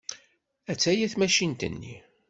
Attaya tmacint-nni.